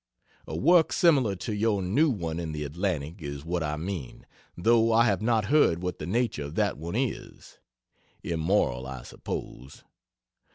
A work similar to your new one in the Atlantic is what I mean, though I have not heard what the nature of that one is. Immoral, I suppose.